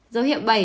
dấu hiệu bảy